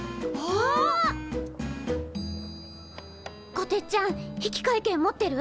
こてっちゃん引換券持ってる？